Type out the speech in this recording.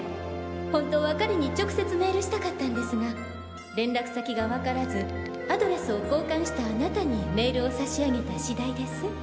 本当は彼に直接メールしたかったんですが連絡先がわからずアドレスを交換したあなたにメールを差し上げた次第です。